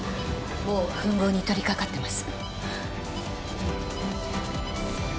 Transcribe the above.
もう吻合に取りかかってます。